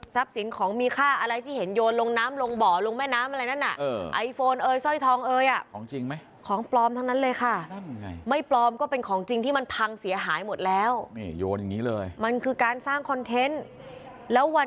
ทรัพย์สินของมีค่าอะไรที่เห็นโยนลงน้ำลงบ่อลงแม่น้ำอะไรนั้นน่ะ